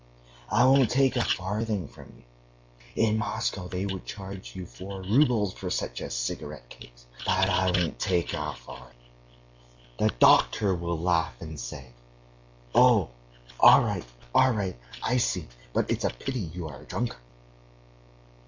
I won't take a farthing from you. In Moscow they would charge you four roubles for such a cigarette case, but I won't take a farthing.' The doctor will laugh and say: 'Oh, all right, all right.... I see! But it's a pity you are a drunkard....